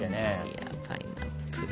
いやパイナップル。